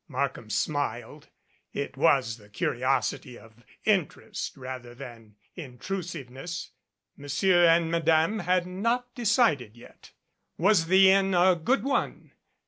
Markham smiled. It was the curiosity of interest rather than intrusiveness. Monsieur and Madame had not decided yet. Was the inn a good one?